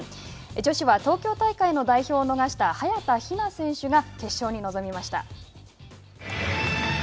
女子は東京大会の代表を逃した早田ひな選手が決勝に臨みました。